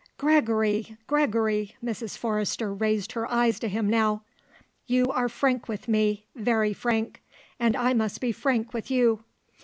"Gregory, Gregory," Mrs. Forrester raised her eyes to him now; "you are frank with me, very frank; and I must be frank with you.